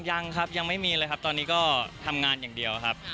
ยังครับยังไม่มีเลยครับตอนนี้ก็ทำงานอย่างเดียวครับ